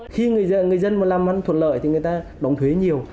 khi người dân làm thuật lợi thì người ta đóng thuế nhiều